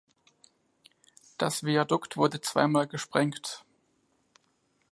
Das Viadukt wurde zweimal gesprengt.